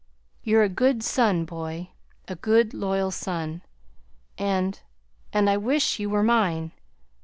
"You're a good son, boy, a good loyal son; and and I wish you were mine!